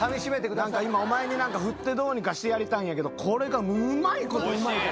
今お前に何かふってどうにかしてやりたいんやけどこれがうまいことうまいこと。